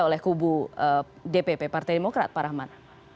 oleh kubu dpp partai demokrat pak rahmat